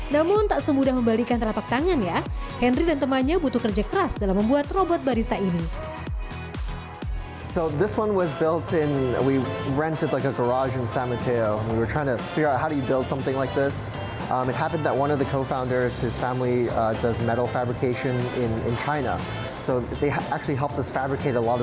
namun tak semudah membalikan telapak tangan ya henry dan temannya butuh kerja keras dalam membuat robot barista ini